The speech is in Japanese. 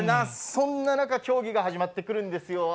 そんな中で競技が始まってくるんですよ。